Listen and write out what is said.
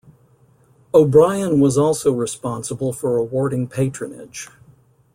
O'Brien was also responsible for awarding patronage.